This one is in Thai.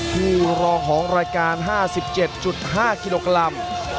รองของรายการ๕๗๕กิโลกรัม